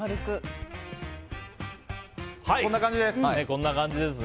こんな感じです！